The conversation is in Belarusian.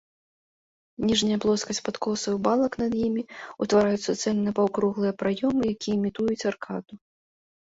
Ніжняя плоскасць падкосаў і балак над імі ўтвараюць суцэльныя паўкруглыя праёмы, якія імітуюць аркаду.